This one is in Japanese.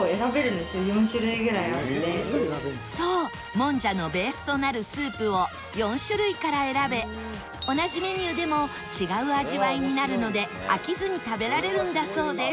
そうもんじゃのベースとなるスープを４種類から選べ同じメニューでも違う味わいになるので飽きずに食べられるんだそうです